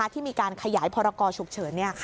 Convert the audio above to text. ที่มีการขยายพรกรฉุกเฉิน